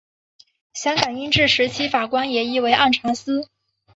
香港英治时期法官也译为按察司。